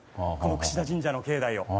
櫛田神社の境内を。